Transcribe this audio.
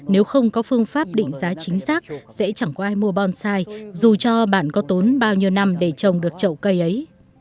nếu không có phương pháp định giá chính xác sẽ chẳng có ai mua bonsai dù cho bạn có tốn bao nhiêu năm để trồng được trậu cây ấy